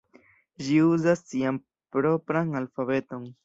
Ĝi uzas sian propran alfabeton.